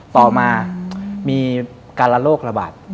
ต่อมามีการละโรคระบาด